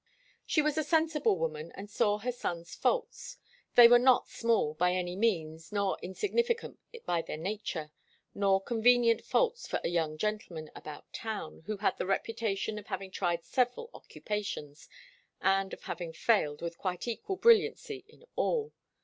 She was a sensible woman and saw her son's faults. They were not small, by any means, nor insignificant by their nature, nor convenient faults for a young gentleman about town, who had the reputation of having tried several occupations and of having failed with quite equal brilliancy in all.